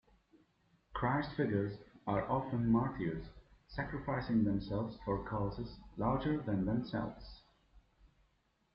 Christ figures are often martyrs, sacrificing themselves for causes larger than themselves.